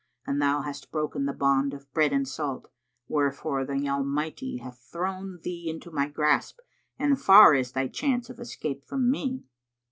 And thou hast broken the bond of bread and salt; wherefore the Almighty hath thrown thee into my grasp, and far is thy chance of escape from me."